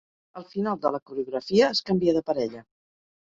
Al final de la coreografia es canvia de parella.